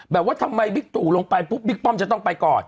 แบบว่าทำไมบิ๊กตู่ลงไปปุ๊บบิ๊กป้อมจะต้องไปก่อน